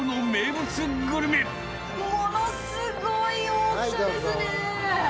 ものすごい大きさですね。